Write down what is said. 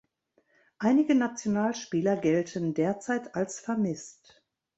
Einige Nationalspieler gelten derzeit als vermisst.